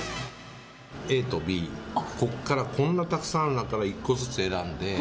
ＡとＢ、ここから、こんなたくさんある中から１個ずつ選んで。